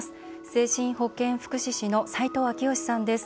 精神保健福祉士の斉藤章佳さんです。